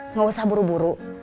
nggak usah buru buru